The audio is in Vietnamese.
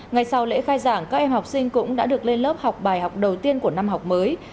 ngày sau lễ khai giảng các em học sinh cũng đã được lên lớp học bài học đầu tiên của năm học mới